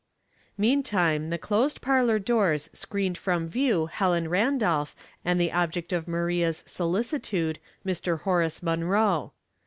Meantime the closed pailor doors screened from view Helen Randolph and the object of Maria's solicitude, Mr. Horace Munroe.